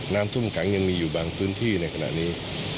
น้ำทุ่มหลังอย่างมีบางพื้นที่ในขณะนี้